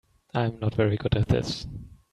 I'm not very good at this.